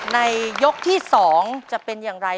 ในยกที่๒จะเป็นอย่างไร